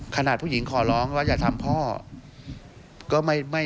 ขนาดผู้หญิงขอร้องว่าอย่าทำเพราะ